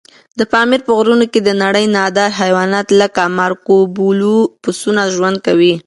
د پامیر په غرونو کې د نړۍ نادر حیوانات لکه مارکوپولو پسونه ژوند کوي.